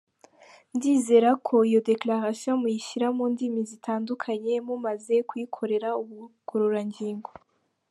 Ndizera ko iyo declaration muyishyira mundimi zitandukanye mumaze kuyikorera ubugororangingo.